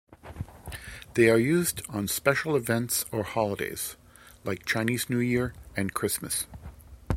They are used on special events or holidays, like Chinese New Year and Christmas.